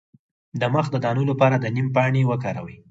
د مخ د دانو لپاره د نیم پاڼې وکاروئ